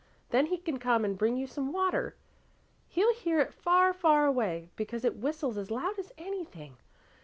Then he can come and bring you some water. He'll hear it far, far away, because it whistles as loud as anything.